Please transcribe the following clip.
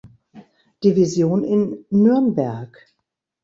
Division in Nürnberg.